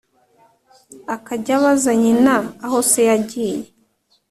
Akajya abaza nyina aho se yagiye,